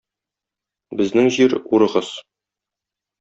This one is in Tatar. Безнең җир, урыгыз.